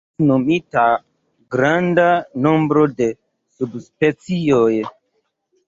Estis nomita granda nombro de subspecioj.